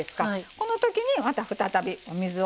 このときにまた再びお水を。